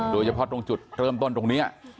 โดยเฉพาะตรงจุดเริ่มต้นตรงนี้